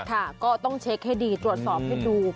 ครับก็ต้องเช็กให้ดีปรับความสงสัยให้ดู